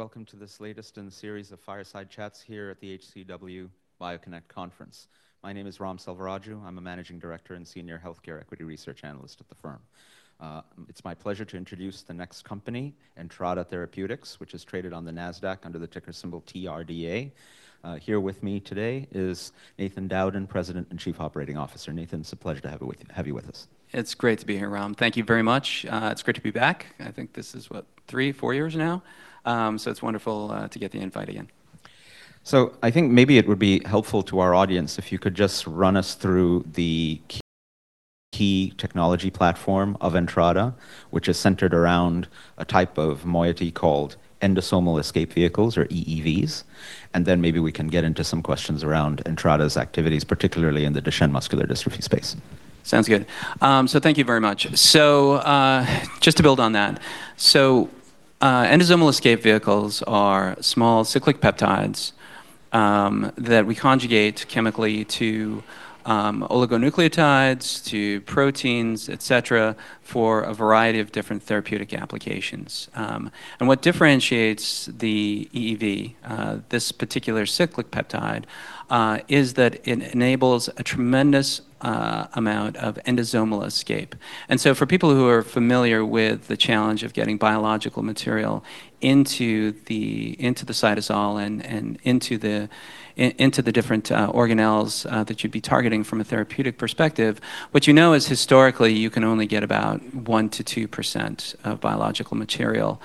Hello, welcome to this latest in the series of Fireside Chats here at the HCW BioConnect Conference. My name is Ram Selvaraju. I'm a Managing Director and Senior Healthcare Equity Research Analyst at the firm. It's my pleasure to introduce the next company, Entrada Therapeutics, which is traded on the Nasdaq under the ticker symbol TRDA. Here with me today is Nathan Dowden, President and Chief Operating Officer. Nathan, it's a pleasure to have you with us. It's great to be here, Ram. Thank you very much. It's great to be back. I think this is, what, three, four years now? It's wonderful to get the invite again. I think maybe it would be helpful to our audience if you could just run us through the key technology platform of Entrada, which is centered around a type of moiety called Endosomal Escape Vehicle or EEVs, and then maybe we can get into some questions around Entrada's activities, particularly in the Duchenne muscular dystrophy space. Sounds good. Thank you very much. Endosomal Escape Vehicles are small cyclic peptides that we conjugate chemically to oligonucleotides, to proteins, et cetera, for a variety of different therapeutic applications. What differentiates the EEV, this particular cyclic peptide, is that it enables a tremendous amount of endosomal escape. For people who are familiar with the challenge of getting biological material into the cytosol and into the different organelles that you'd be targeting from a therapeutic perspective, what you know is historically you can only get about 1%-2% of biological material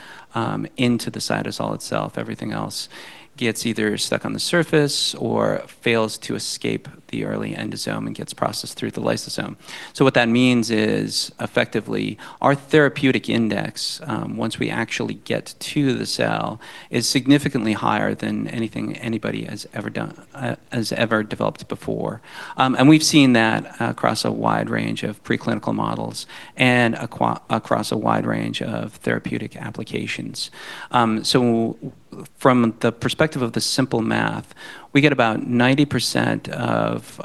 into the cytosol itself. Everything else gets either stuck on the surface or fails to escape the early endosome and gets processed through the lysosome. What that means is, effectively, our therapeutic index, once we actually get to the cell, is significantly higher than anything anybody has ever done, has ever developed before. And we've seen that across a wide range of preclinical models and across a wide range of therapeutic applications. From the perspective of the simple math, we get about 90% of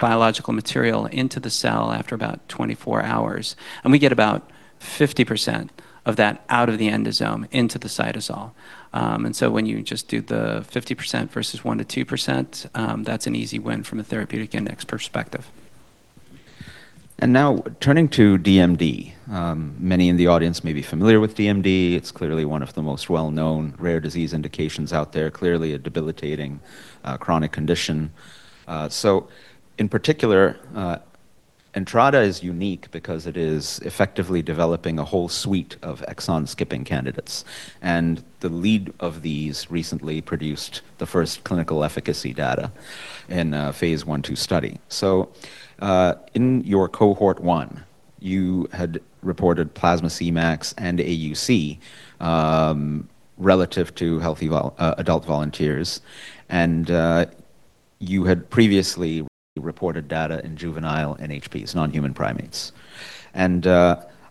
biological material into the cell after about 24 hours, and we get about 50% of that out of the endosome into the cytosol. When you just do the 50% versus 1%-2%, that's an easy win from a therapeutic index perspective. Now turning to DMD. Many in the audience may be familiar with DMD. It's clearly one of the most well-known rare disease indications out there, clearly a debilitating, chronic condition. In particular, Entrada is unique because it is effectively developing a whole suite of exon-skipping candidates, and the lead of these recently produced the first clinical efficacy data in a phase I/II study. In your Cohort 1, you had reported plasma Cmax and AUC relative to healthy adult volunteers, and you had previously reported data in juvenile NHPs, non-human primates.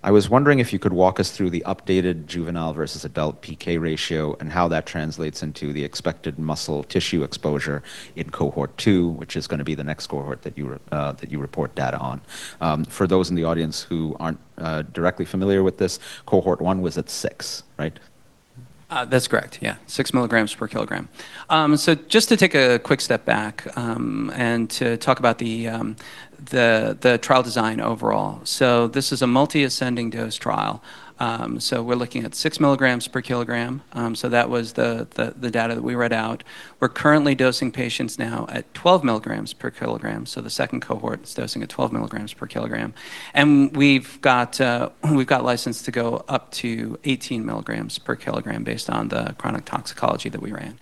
I was wondering if you could walk us through the updated juvenile versus adult PK ratio and how that translates into the expected muscle tissue exposure in Cohort 2, which is gonna be the next cohort that you report data on. For those in the audience who aren't directly familiar with this, Cohort 1 was at 6 mg/kg, right? That's correct, yeah. 6 mg/kg. Just to take a quick step back, and to talk about the trial design overall. This is a multi-ascending dose trial, we're looking at 6 mg/kg, that was the data that we read out. We're currently dosing patients now at 12 mg/kg, the second cohort is dosing at 12 mg/kg. We've got license to go up to 18 mg/kg based on the chronic toxicology that we ran.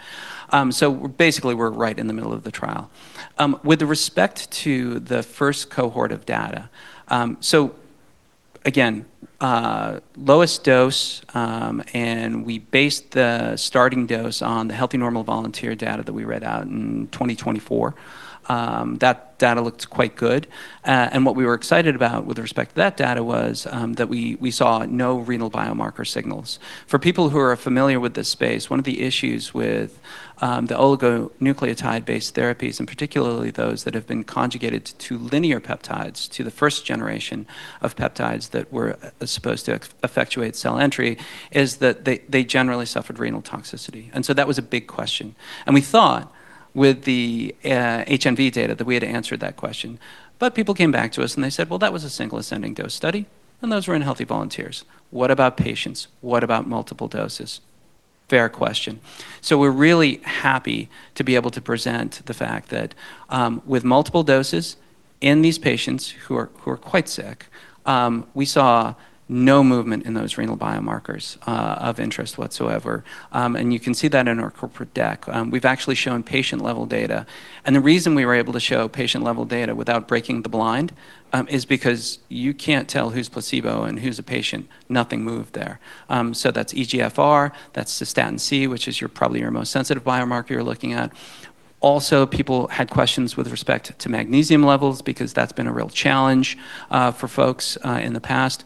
Basically we're right in the middle of the trial. With respect to the first cohort of data, again, lowest dose, we based the starting dose on the healthy normal volunteer data that we read out in 2024. That data looked quite good, and what we were excited about with respect to that data was that we saw no renal biomarker signals. For people who are familiar with this space, one of the issues with the oligonucleotide-based therapies, and particularly those that have been conjugated to linear peptides, to the first generation of peptides that were supposed to effectuate cell entry, is that they generally suffered renal toxicity. That was a big question. We thought with the NHP data that we had answered that question. People came back to us and they said, well, that was a single ascending dose study, and those were in healthy volunteers. What about patients? What about multiple doses? Fair question. We're really happy to be able to present the fact that, with multiple doses in these patients who are, who are quite sick, we saw no movement in those renal biomarkers of interest whatsoever. You can see that in our corporate deck. We've actually shown patient-level data, and the reason we were able to show patient-level data without breaking the blind, is because you can't tell who's placebo and who's a patient. Nothing moved there. That's eGFR, that's cystatin C, which is your, probably your most sensitive biomarker you're looking at. Also, people had questions with respect to magnesium levels because that's been a real challenge for folks in the past.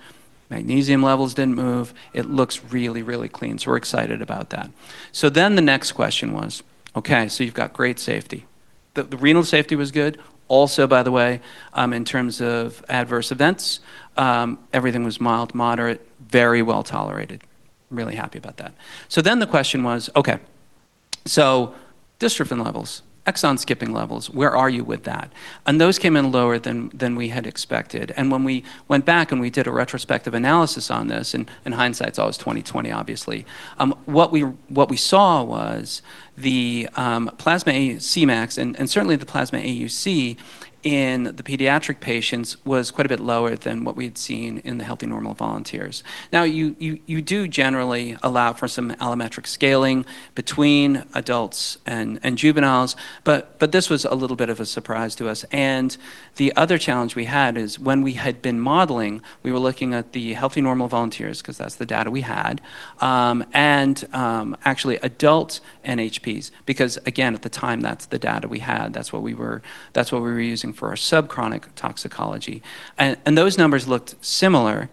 Magnesium levels didn't move. It looks really, really clean, so we're excited about that. The next question was, okay, you've got great safety. The renal safety was good. By the way, in terms of adverse events, everything was mild, moderate, very well tolerated. Really happy about that. The question was, okay, dystrophin levels, exon skipping levels, where are you with that? Those came in lower than we had expected. When we went back and we did a retrospective analysis on this, hindsight's always 20/20 obviously, what we saw was the plasma Cmax and certainly the plasma AUC in the pediatric patients was quite a bit lower than what we'd seen in the healthy normal volunteers. You do generally allow for some allometric scaling between adults and juveniles, but this was a little bit of a surprise to us. The other challenge we had is when we had been modeling, we were looking at the healthy normal volunteers because that's the data we had, and actually adult NHPs, because again, at the time that's the data we had. That's what we were using for our sub-chronic toxicology. Those numbers looked similar.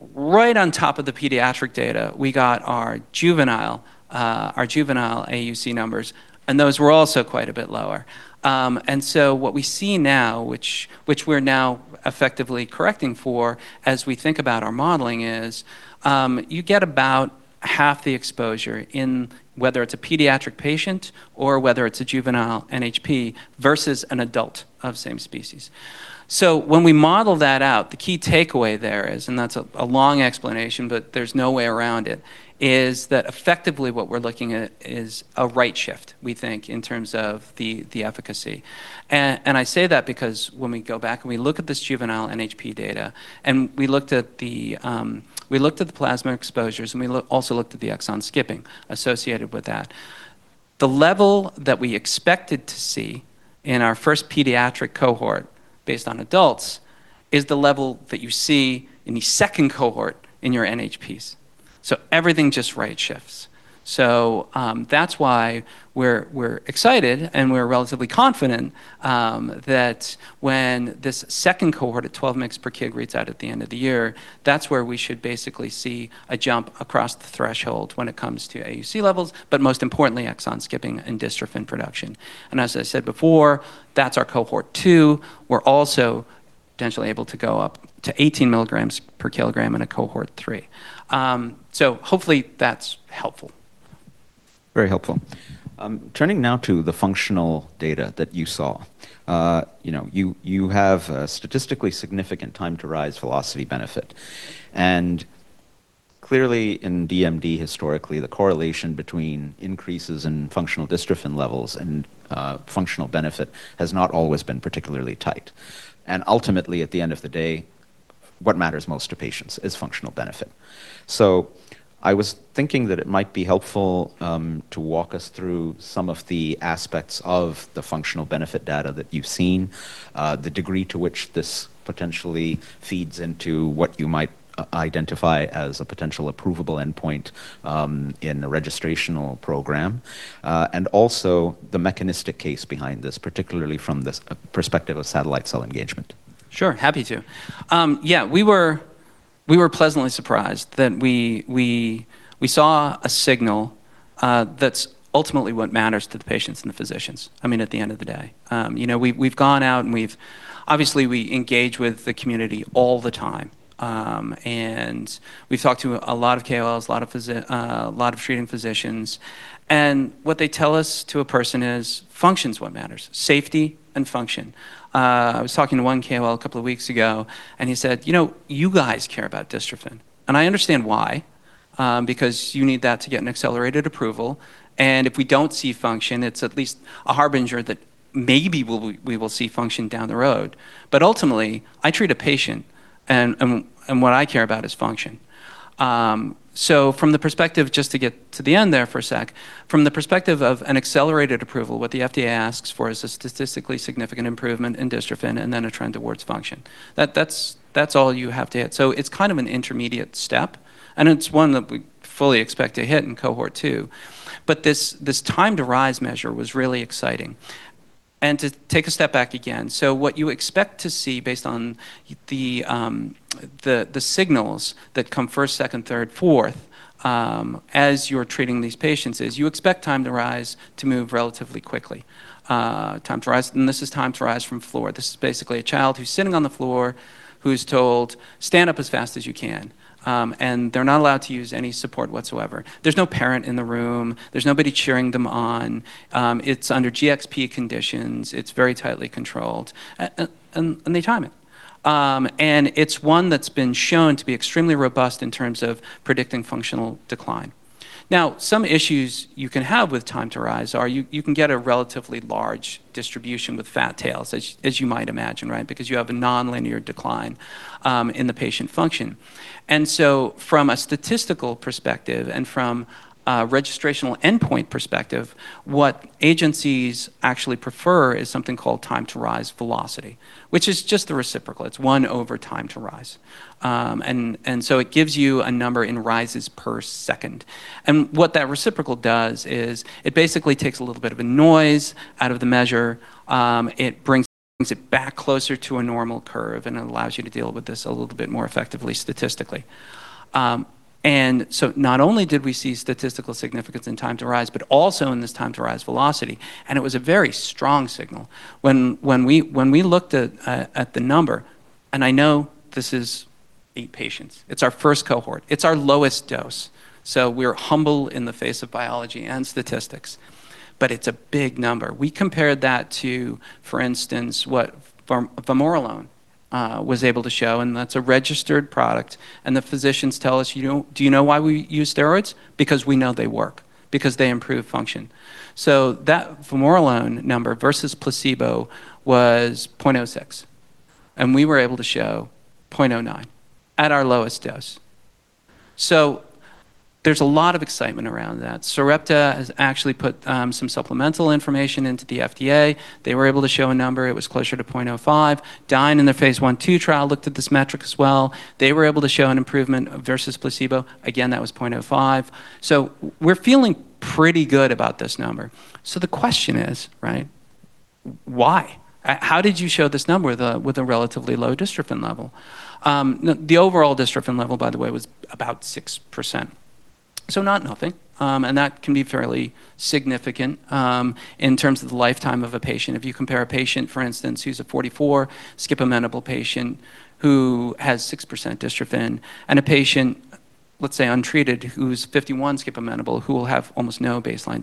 Right on top of the pediatric data, we got our juvenile AUC numbers, and those were also quite a bit lower. What we see now, which we're now effectively correcting for as we think about our modeling is, you get about half the exposure in whether it's a pediatric patient or whether it's a juvenile NHP versus an adult of same species. When we model that out, the key takeaway there is, and that's a long explanation, but there's no way around it, is that effectively what we're looking at is a right shift, we think, in terms of the efficacy. I say that because when we go back and we look at this juvenile NHP data and we looked at the, we looked at the plasma exposures, and we also looked at the exon skipping associated with that. The level that we expected to see in our first pediatric cohort based on adults is the level that you see in the second cohort in your NHPs. Everything just right shifts. That's why we're excited and we're relatively confident that when this second cohort at 12 mg/kg reads out at the end of the year, that's where we should basically see a jump across the threshold when it comes to AUC levels, but most importantly, exon skipping and dystrophin production. As I said before, that's our Cohort 2. We're also potentially able to go up to 18 mg/kg in a Cohort 3. Hopefully that's helpful. Very helpful. Turning now to the functional data that you saw. You know, you have a statistically significant time to rise velocity benefit. Clearly in DMD historically, the correlation between increases in functional dystrophin levels and functional benefit has not always been particularly tight. Ultimately, at the end of the day, what matters most to patients is functional benefit. I was thinking that it might be helpful to walk us through some of the aspects of the functional benefit data that you've seen, the degree to which this potentially feeds into what you might identify as a potential approvable endpoint in a registrational program, and also the mechanistic case behind this, particularly from this perspective of satellite cell engagement. Sure. Happy to. Yeah, we were pleasantly surprised that we saw a signal, that's ultimately what matters to the patients and the physicians, I mean, at the end of the day. You know, we've gone out, and obviously, we engage with the community all the time. And we've talked to a lot of KOLs, a lot of treating physicians, and what they tell us to a person is function's what matters. Safety and function. I was talking to one KOL a couple of weeks ago, and he said, you know, you guys care about dystrophin, and I understand why, because you need that to get an accelerated approval. If we don't see function, it's at least a harbinger that maybe we will see function down the road. Ultimately, I treat a patient, and what I care about is function. From the perspective, just to get to the end there for a sec, from the perspective of an accelerated approval, what the FDA asks for is a statistically significant improvement in dystrophin and then a trend towards function. That's all you have to hit. It's kind of an intermediate step, and it's one that we fully expect to hit in Cohort 2. This time to rise measure was really exciting. To take a step back again, what you expect to see based on the signals that come first, second, third, fourth, as you're treating these patients is you expect time to rise to move relatively quickly. Time to rise, and this is time to rise from floor. This is basically a child who's sitting on the floor who's told, stand up as fast as you can. They're not allowed to use any support whatsoever. There's no parent in the room. There's nobody cheering them on. It's under GCP conditions. It's very tightly controlled. They time it. It's one that's been shown to be extremely robust in terms of predicting functional decline. Now, some issues you can have with time to rise are you can get a relatively large distribution with fat tails as you might imagine, right? You have a nonlinear decline in the patient function. From a statistical perspective and from a registrational endpoint perspective, what agencies actually prefer is something called time to rise velocity, which is just the reciprocal. It's one over time to rise. It gives you a number in rises per second. What that reciprocal does is it basically takes a little bit of a noise out of the measure. It brings it back closer to a normal curve, and it allows you to deal with this a little bit more effectively statistically. Not only did we see statistical significance in time to rise, but also in this time to rise velocity, and it was a very strong signal. When we looked at the number, and I know this is eight patients. It's our first cohort. It's our lowest dose. We're humble in the face of biology and statistics, but it's a big number. We compared that to, for instance, what vamorolone was able to show, and that's a registered product. The physicians tell us, you know, do you know why we use steroids? Because we know they work, because they improve function. That vamorolone number versus placebo was 0.06, and we were able to show 0.09 at our lowest dose. There's a lot of excitement around that. Sarepta has actually put some supplemental information into the FDA. They were able to show a number. It was closer to 0.05. Dyne in their phase I/II trial looked at this metric as well. They were able to show an improvement versus placebo. Again, that was 0.05. We're feeling pretty good about this number. The question is, right, why? How did you show this number with a, with a relatively low dystrophin level? The overall dystrophin level, by the way, was about 6%, so not nothing. That can be fairly significant in terms of the lifetime of a patient. If you compare a patient, for instance, who's a 44 skip amenable patient who has 6% dystrophin, and a patient, let's say untreated, who's 51 skip amenable who will have almost no baseline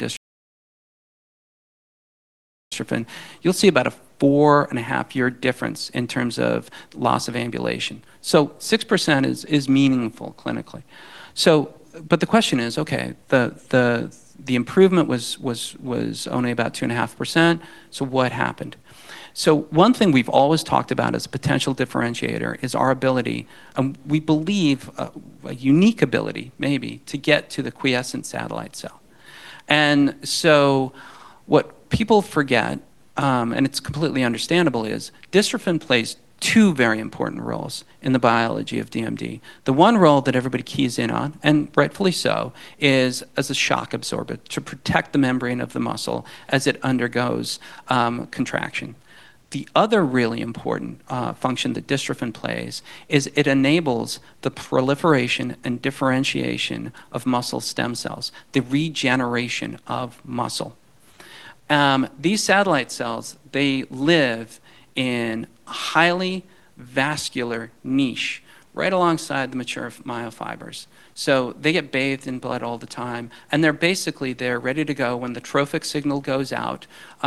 dystrophin, you'll see about a 4.5-year difference in terms of loss of ambulation. 6% is meaningful clinically. The question is, okay, the improvement was only about 2.5%, so what happened? One thing we've always talked about as a potential differentiator is our ability, we believe a unique ability maybe to get to the quiescent satellite cell. What people forget, and it's completely understandable, is dystrophin plays two very important roles in the biology of DMD. The one role that everybody keys in on, and rightfully so, is as a shock absorbent to protect the membrane of the muscle as it undergoes contraction. The other really important function that dystrophin plays is it enables the proliferation and differentiation of muscle stem cells, the regeneration of muscle. These satellite cells, they live in highly vascular niche right alongside the mature myofibers. They get bathed in blood all the time, and they're basically there ready to go when the trophic signal goes out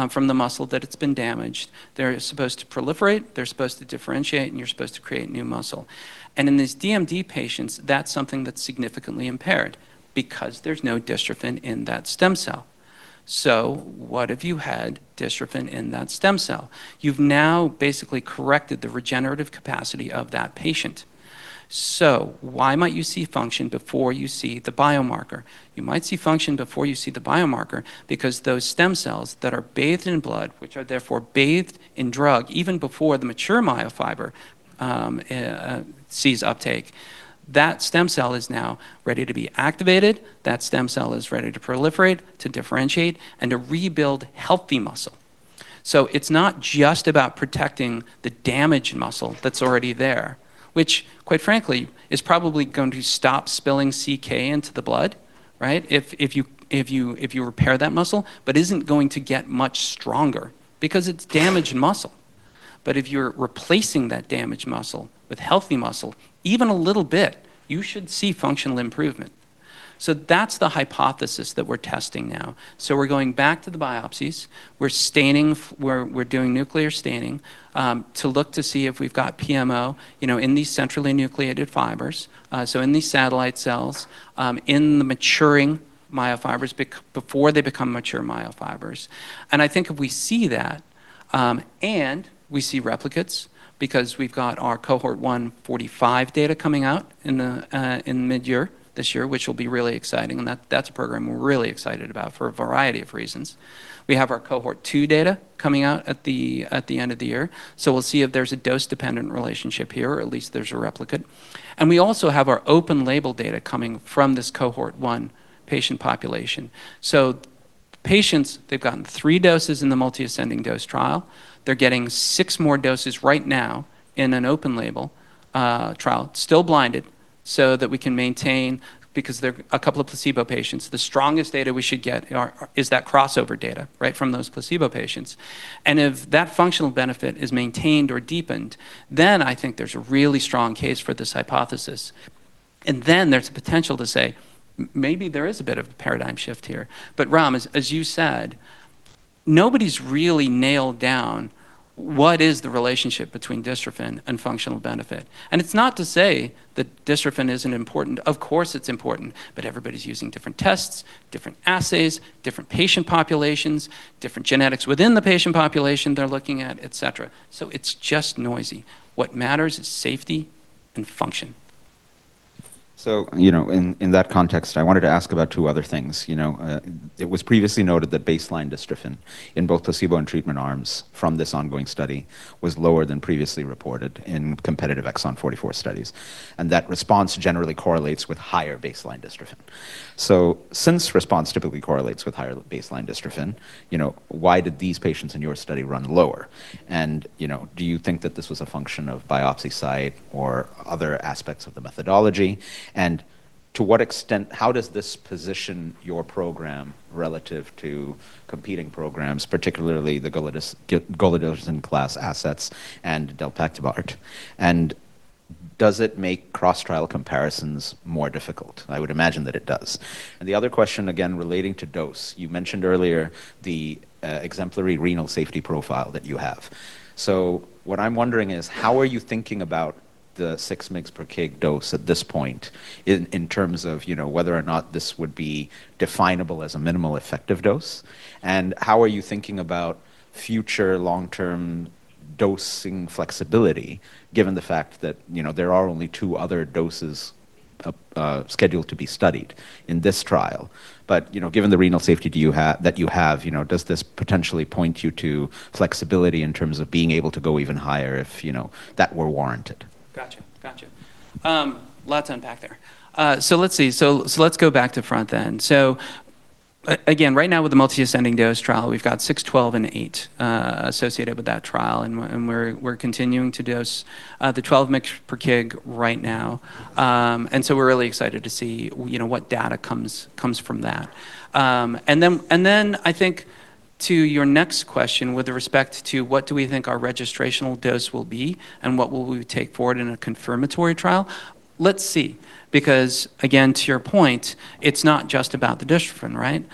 from the muscle that it's been damaged. They're supposed to proliferate, they're supposed to differentiate, and you're supposed to create new muscle. In these DMD patients, that's something that's significantly impaired because there's no dystrophin in that stem cell. What if you had dystrophin in that stem cell? You've now basically corrected the regenerative capacity of that patient. Why might you see function before you see the biomarker? You might see function before you see the biomarker because those stem cells that are bathed in blood, which are therefore bathed in drug even before the mature myofiber sees uptake, that stem cell is now ready to be activated. That stem cell is ready to proliferate, to differentiate, and to rebuild healthy muscle. It's not just about protecting the damaged muscle that's already there, which quite frankly is probably going to stop spilling CK into the blood, right? If you repair that muscle, but isn't going to get much stronger because it's damaged muscle. If you're replacing that damaged muscle with healthy muscle even a little bit, you should see functional improvement. That's the hypothesis that we're testing now. We're going back to the biopsies. We're doing nuclear staining to look to see if we've got PMO, you know, in these centrally nucleated fibers, so in these satellite cells, in the maturing myofibers before they become mature myofibers. I think if we see that, and we see replicates because we've got our Cohort 1 45 data coming out in midyear this year, which will be really exciting, that's a program we're really excited about for a variety of reasons. We have our Cohort 2 data coming out at the end of the year, we'll see if there's a dose-dependent relationship here, or at least there's a replicate. We also have our open label data coming from this Cohort 1 patient population. Patients, they've gotten three doses in the multi-ascending dose trial. They're getting six more doses right now in an open-label trial, still blinded so that we can maintain because there are two placebo patients. The strongest data we should get is that crossover data, right, from those placebo patients. If that functional benefit is maintained or deepened, then I think there's a really strong case for this hypothesis. Then there's a potential to say maybe there is a bit of a paradigm shift here. Ram, as you said, nobody's really nailed down what is the relationship between dystrophin and functional benefit. It's not to say that dystrophin isn't important. Of course it's important, but everybody's using different tests, different assays, different patient populations, different genetics within the patient population they're looking at, et cetera. It's just noisy. What matters is safety and function. You know, in that context, I wanted to ask about two other things. You know, it was previously noted that baseline dystrophin in both placebo and treatment arms from this ongoing study was lower than previously reported in competitive exon 44 studies, and that response generally correlates with higher baseline dystrophin. Since response typically correlates with higher baseline dystrophin, you know, why did these patients in your study run lower? You know, do you think that this was a function of biopsy site or other aspects of the methodology? To what extent how does this position your program relative to competing programs, particularly the golodirsen class assets and moxeparvovec? Does it make cross-trial comparisons more difficult? I would imagine that it does. The other question, again, relating to dose. You mentioned earlier the exemplary renal safety profile that you have. What I'm wondering is, how are you thinking about the 6 mg/kg dose at this point in terms of, you know, whether or not this would be definable as a minimal effective dose? How are you thinking about future long-term dosing flexibility given the fact that, you know, there are only two other doses scheduled to be studied in this trial? You know, given the renal safety that you have, you know, does this potentially point you to flexibility in terms of being able to go even higher if, you know, that were warranted? Gotcha. Gotcha. Lots to unpack there. Let's see. Let's go back to front. Again, right now with the multi-ascending dose trial, we've got six, 12, and 8 associated with that trial, and we're continuing to dose the 12 mg/kg right now. We're really excited to see, you know, what data comes from that. I think to your next question with respect to what do we think our registrational dose will be and what will we take forward in a confirmatory trial, let's see. Again, to your point, it's not just about the dystrophin, right?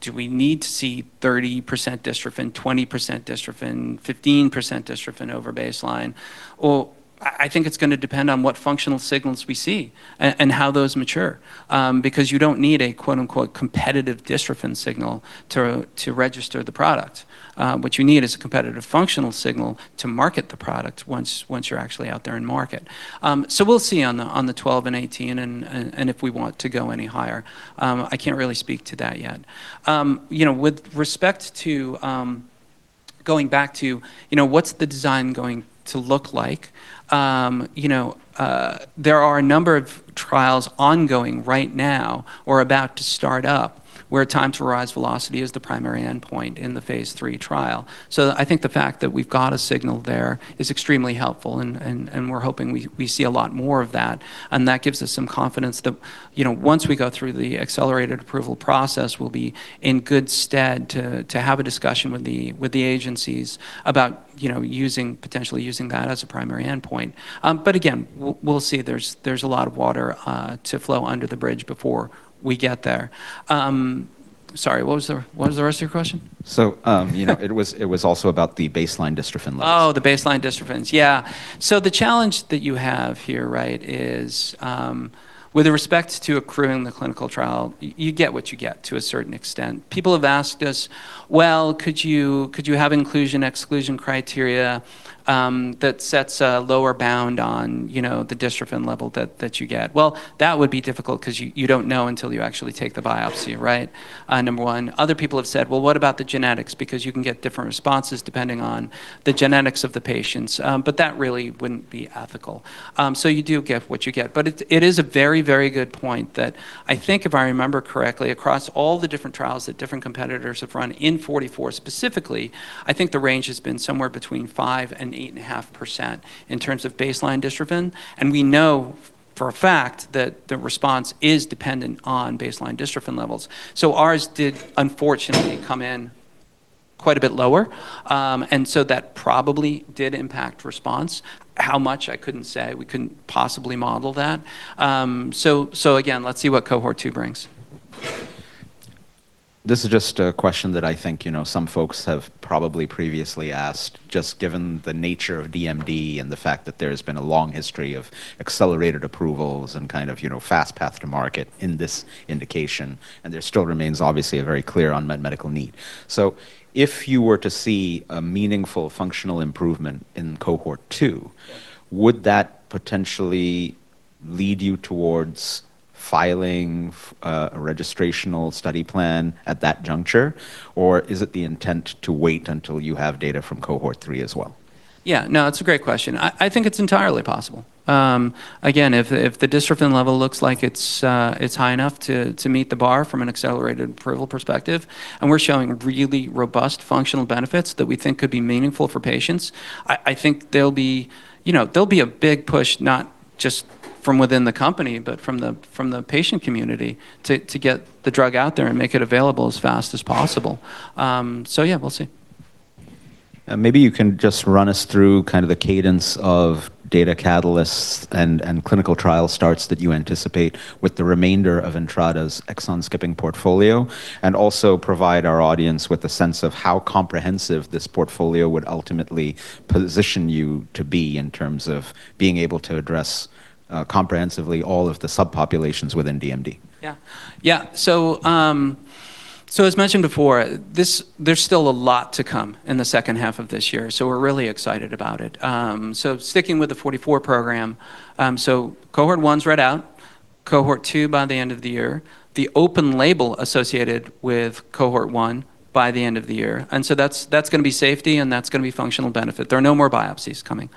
Do we need to see 30% dystrophin, 20% dystrophin, 15% dystrophin over baseline? Well, I think it's going to depend on what functional signals we see and how those mature. Because you don't need a quote-unquote competitive dystrophin signal to register the product. What you need is a competitive functional signal to market the product once you're actually out there in market. We'll see on the 12 and 18 and if we want to go any higher. I can't really speak to that yet. You know, with respect to going back to, you know, what's the design going to look like, you know, there are a number of trials ongoing right now or about to start up where time to rise velocity is the primary endpoint in the phase III trial. I think the fact that we've got a signal there is extremely helpful and we're hoping we see a lot more of that, and that gives us some confidence that, you know, once we go through the accelerated approval process, we'll be in good stead to have a discussion with the agencies about, you know, potentially using that as a primary endpoint. But again, we'll see. There's a lot of water to flow under the bridge before we get there. Sorry, what was the rest of your question? You know, it was also about the baseline dystrophin levels. The baseline dystrophin. Yeah. The challenge that you have here, right, is with respect to accruing the clinical trial, you get what you get to a certain extent. People have asked us, well, could you have inclusion/exclusion criteria that sets a lower bound on, you know, the dystrophin level that you get? Well, that would be difficult 'cause you don't know until you actually take the biopsy, right? Number one. Other people have said, well, what about the genetics? You can get different responses depending on the genetics of the patients. That really wouldn't be ethical. You do get what you get. It is a very, very good point that I think if I remember correctly, across all the different trials that different competitors have run in exon 44 specifically, I think the range has been somewhere between 5% and 8.5% in terms of baseline dystrophin, and we know for a fact that the response is dependent on baseline dystrophin levels. Ours did unfortunately come in quite a bit lower, and so that probably did impact response. How much? I couldn't say. We couldn't possibly model that. Again, let's see what Cohort 2 brings. This is just a question that I think, you know, some folks have probably previously asked, just given the nature of DMD and the fact that there's been a long history of accelerated approvals and kind of, you know, fast path to market in this indication, and there still remains obviously a very clear unmet medical need. If you were to see a meaningful functional improvement in Cohort 2, would that potentially lead you towards filing a registrational study plan at that juncture? Or is it the intent to wait until you have data from Cohort 3 as well? Yeah. No, it's a great question. I think it's entirely possible. Again, if the dystrophin level looks like it's high enough to meet the bar from an accelerated approval perspective, and we're showing really robust functional benefits that we think could be meaningful for patients, I think there'll be, you know, there'll be a big push, not just from within the company, but from the patient community to get the drug out there and make it available as fast as possible. Yeah, we'll see. Maybe you can just run us through kind of the cadence of data catalysts and clinical trial starts that you anticipate with the remainder of Entrada's exon-skipping portfolio, and also provide our audience with a sense of how comprehensive this portfolio would ultimately position you to be in terms of being able to address comprehensively all of the subpopulations within DMD. Yeah. Yeah. As mentioned before, there's still a lot to come in the second half of this year, so we're really excited about it. Sticking with the 44 program, Cohort 1's read out, Cohort 2 by the end of the year, the open label associated with Cohort 1 by the end of the year. That's, that's gonna be safety and that's gonna be functional benefit. There are no more biopsies coming,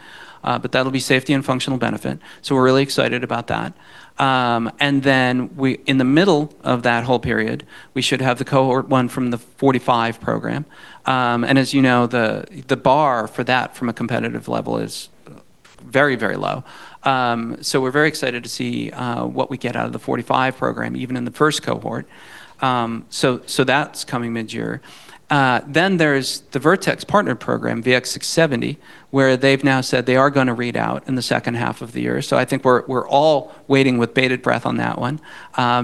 that'll be safety and functional benefit. We're really excited about that. In the middle of that whole period, we should have the Cohort 1 from the 45 program. As you know, the bar for that from a competitive level is very, very low. We're very excited to see what we get out of the 45 program, even in the first cohort. That's coming midyear. Then there's the Vertex partner program, VX-670, where they've now said they are gonna read out in the second half of the year. I think we're all waiting with bated breath on that one,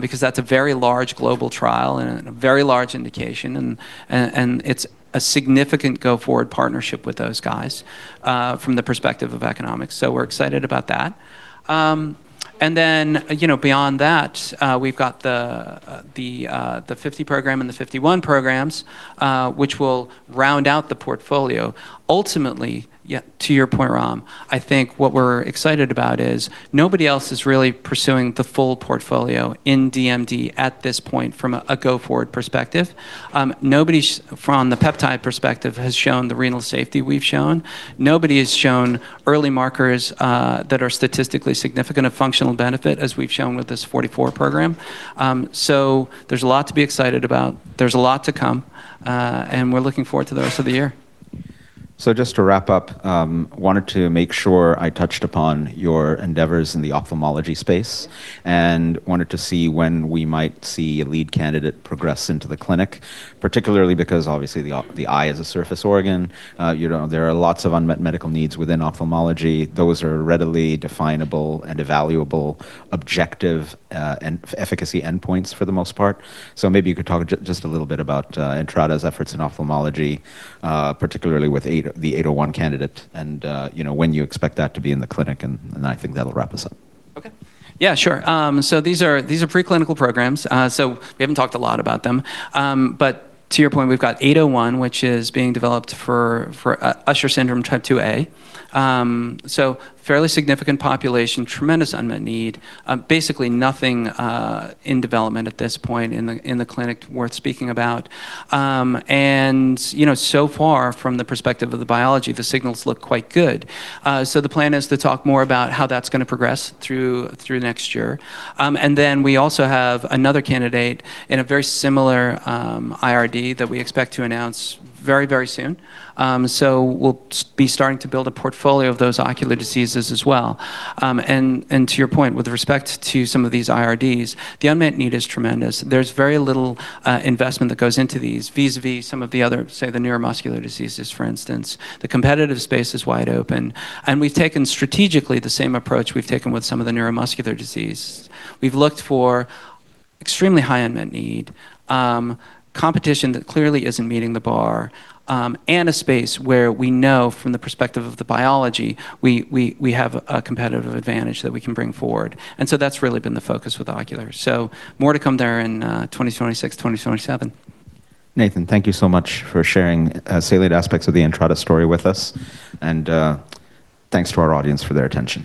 because that's a very large global trial and a very large indication and it's a significant go-forward partnership with those guys from the perspective of economics. We're excited about that. You know, beyond that, we've got the 50 program and the 51 programs, which will round out the portfolio. Ultimately, yeah, to your point, Ram, I think what we're excited about is nobody else is really pursuing the full portfolio in DMD at this point from a go-forward perspective. Nobody's, from the peptide perspective, has shown the renal safety we've shown. Nobody has shown early markers that are statistically significant of functional benefit as we've shown with this 44 program. There's a lot to be excited about. There's a lot to come, and we're looking forward to the rest of the year. Just to wrap up, wanted to make sure I touched upon your endeavors in the ophthalmology space, and wanted to see when we might see a lead candidate progress into the clinic, particularly because obviously the eye is a surface organ. You know, there are lots of unmet medical needs within ophthalmology. Those are readily definable and evaluable, objective, and efficacy endpoints for the most part. Maybe you could talk just a little bit about Entrada's efforts in ophthalmology, particularly with the ENTR-801 candidate and, you know, when you expect that to be in the clinic, and I think that'll wrap us up. Okay. Yeah, sure. These are preclinical programs, we haven't talked a lot about them. To your point, we've got ENTR-801, which is being developed for Usher syndrome type 2A. Fairly significant population, tremendous unmet need, basically nothing in development at this point in the clinic worth speaking about. You know, far from the perspective of the biology, the signals look quite good. The plan is to talk more about how that's gonna progress through next year. We also have another candidate in a very similar IRD that we expect to announce very soon. We'll be starting to build a portfolio of those ocular diseases as well. To your point, with respect to some of these IRDs, the unmet need is tremendous. There's very little investment that goes into these vis-a-vis some of the other, say, the neuromuscular diseases, for instance. The competitive space is wide open, we've taken strategically the same approach we've taken with some of the neuromuscular disease. We've looked for extremely high unmet need, competition that clearly isn't meeting the bar, and a space where we know from the perspective of the biology, we have a competitive advantage that we can bring forward. That's really been the focus with ocular. More to come there in 2026, 2027. Nathan, thank you so much for sharing, salient aspects of the Entrada story with us, and, thanks to our audience for their attention.